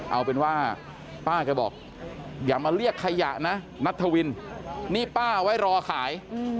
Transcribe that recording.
เอาเป็นว่าป้าแกบอกอย่ามาเรียกขยะนะนัทวินนี่ป้าไว้รอขาย